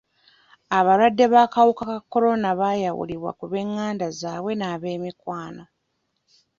Abalwadde b'akawuka ka kolona baayawulibwa ku b'enganda zaabwe n'ab'emikwano.